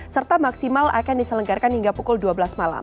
serta maksimal akan diselenggarakan hingga pukul dua belas malam